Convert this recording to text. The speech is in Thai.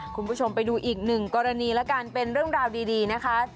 คุณผู้ชมไปดูอีกหนึ่งกรณีแล้วกันเป็นเรื่องราวดีนะคะ